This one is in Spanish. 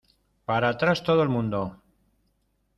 Para atrás, todo el mundo.